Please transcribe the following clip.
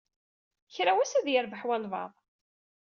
Kra n wass ad yerbeḥ walebɛaḍ.